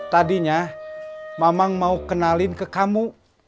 tadinya mamang mau kenalin ke kamu